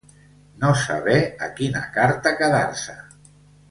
No saber a quina carta quedar-se.